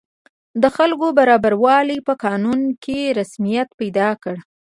د خلکو برابروالی په قانون کې رسمیت پیدا کړ.